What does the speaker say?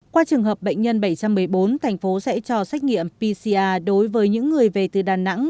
qua trường hợp bệnh nhân bảy trăm một mươi bốn thành phố sẽ cho xét nghiệm pcr đối với những người về từ đà nẵng